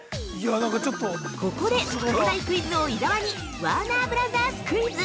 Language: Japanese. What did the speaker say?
◆ここで東大クイズ王・伊沢に「ワーナーブラザース」クイズ！